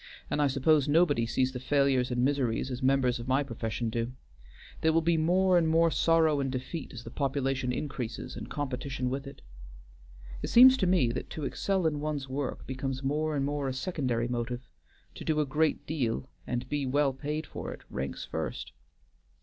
And I suppose nobody sees the failures and miseries as members of my profession do. There will be more and more sorrow and defeat as the population increases and competition with it. It seems to me that to excel in one's work becomes more and more a secondary motive; to do a great deal and be well paid for it ranks first.